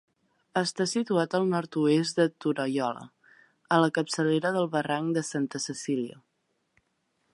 Està situat al nord-oest de Torallola, a la capçalera del barranc de Santa Cecília.